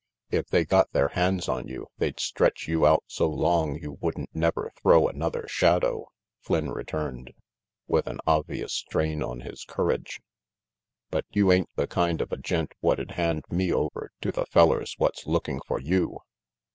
"If they got their hands on you, they'd stretch you out so long you wouldn't never throw another shadow," Flynn returned, with an obvious strain on his courage; "but you ain't the kind of a gent what'd hand me over to the fellers what's lookin' for you."